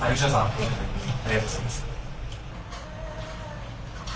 ありがとうございます。